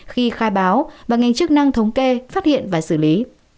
khi khai báo và ngành chức năng thống kê phát hiện và xử lý